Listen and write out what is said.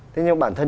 thế nhưng bản thân